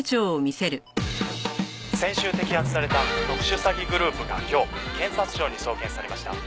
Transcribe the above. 「先週摘発された特殊詐欺グループが今日検察庁に送検されました」